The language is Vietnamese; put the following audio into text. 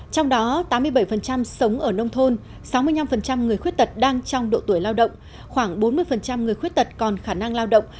trong đó tám mươi bảy sống ở nông thôn sáu mươi năm người khuyết tật đang trong độ tuổi lao động khoảng bốn mươi người khuyết tật còn khả năng lao động